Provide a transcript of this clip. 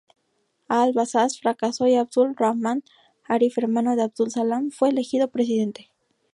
Al-Bazzaz fracasó, y Abdul Rahman Arif, hermano de Abdul Salam, fue elegido presidente.